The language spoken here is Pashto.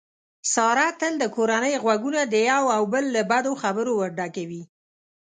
ساره تل د کورنۍ غوږونه د یو او بل له بدو خبرو ورډکوي.